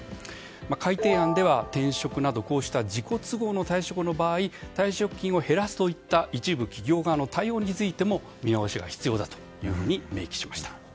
改定案では、転職などこうした自己都合退職の場合退職金を減らすといった一部企業側の対応についても見直しが必要だと明記しました。